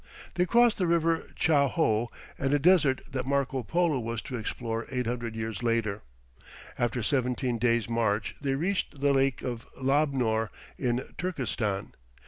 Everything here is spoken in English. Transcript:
They crossed the river Cha ho, and a desert that Marco Polo was to explore eight hundred years later. After seventeen days' march they reached the Lake of Lobnor in Turkestan.